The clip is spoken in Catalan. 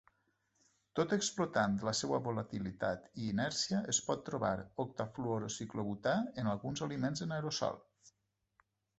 Tot explotant la seva volatilitat i inèrcia, es pot trobar octafluorociclobutà en alguns aliments en aerosol.